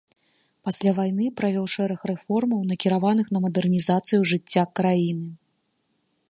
Пасля вайны правёў шэраг рэформаў, накіраваных на мадэрнізацыю жыцця краіны.